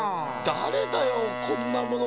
だれだよこんなもの